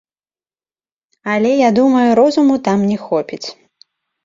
Але я думаю, розуму там не хопіць.